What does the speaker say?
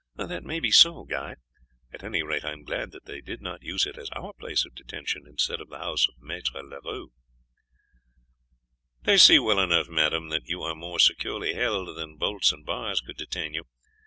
"That may be so, Guy; at any rate I am glad that they did not use it as our place of detention instead of the house of Maître Leroux." "They see well enough, madame, that you are more securely held than bolts and bars could detain you.